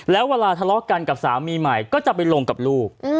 แล้วเวลาทะเลาะกันกับสามีใหม่ก็จะไปลงกับลูก